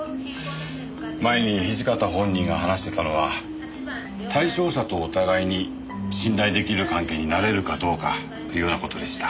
前に土方本人が話してたのは対象者とお互いに信頼できる関係になれるかどうかというような事でした。